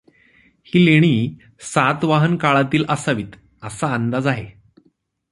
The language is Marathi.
ही लेणी सातवाहन काळातील असावीत असा अंदाज आहे.